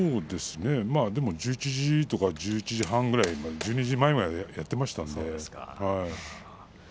でも１１時とか１１時半ぐらい１２時前まではやっていましたから。